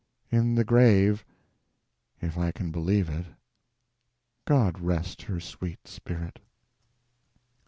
In the grave—if I can believe it. God rest her sweet spirit!